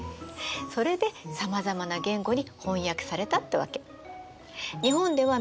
それでさまざまな言語に翻訳されたってわけ。